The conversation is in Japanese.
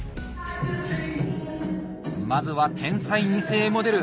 まずは「天才二世モデル」